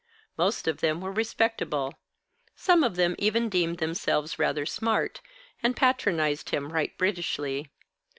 Most of them were respectable; some of them even deemed themselves rather smart, and patronized him right Britishly.